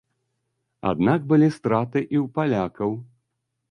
Аднак былі страты і ў палякаў.